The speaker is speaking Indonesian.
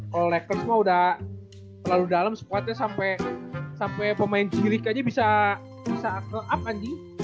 kalau lakers mah udah terlalu dalam squadnya sampai pemain g league aja bisa up anjir